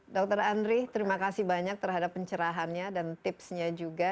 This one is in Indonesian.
dr andri terima kasih banyak terhadap pencerahannya dan tipsnya juga